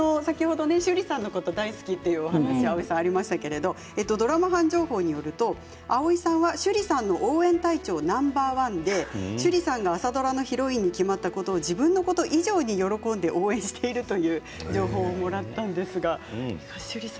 先ほど趣里さんのことが大好きというお話がありましたけどドラマ班情報によると蒼井さんは趣里さんの応援隊長ナンバー１で趣里さんが朝ドラのヒロインに決まったことを自分のこと以上に喜んで、応援しているということなんですね。